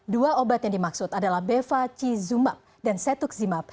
dua obat yang dimaksud adalah bevacizumab dan setuximab